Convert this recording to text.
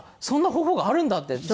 そんな方法があるんだって。